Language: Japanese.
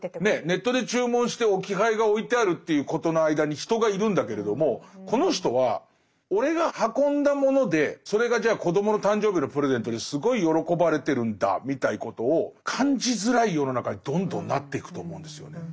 ネットで注文して置き配が置いてあるということの間に人がいるんだけれどもこの人は俺が運んだものでそれがじゃあ子どもの誕生日のプレゼントですごい喜ばれてるんだみたいなことを感じづらい世の中にどんどんなっていくと思うんですよね。